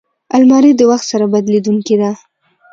الماري د وخت سره بدلېدونکې ده